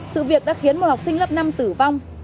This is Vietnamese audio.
sự việc đã khiến một học sinh lớp năm tử vong